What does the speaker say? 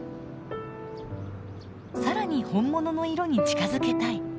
更に本物の色に近づけたい。